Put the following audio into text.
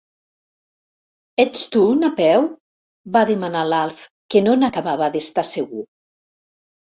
Ets tu, Napeu? —va demanar l'Alf, que no n'acabava d'estar segur.